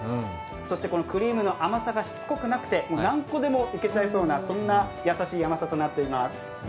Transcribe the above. そしてクリームの甘さがしつこくなくて何個でもいけちゃいそうな優しい甘さとなっています。